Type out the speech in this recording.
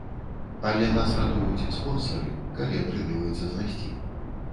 Але нас ратуюць спонсары, калі атрымліваецца знайсці.